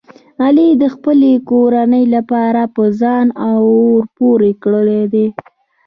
علي د خپلې کورنۍ لپاره په ځان اور پورې کړی دی.